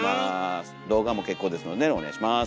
動画も結構ですのでねお願いします。